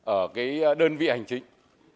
ở đơn vị hành chính